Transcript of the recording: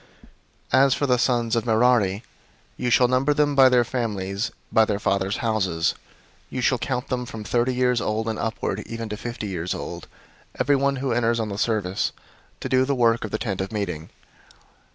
004:029 "As for the sons of Merari, you shall number them by their families, by their fathers' houses; 004:030 from thirty years old and upward even to fifty years old shall you number them, everyone who enters on the service, to do the work of the Tent of Meeting.